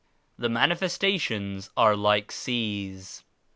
The Manifestations arc like seas.